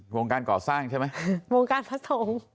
วงการก่อสร้างใช่ไหมวงการพระสงฆ์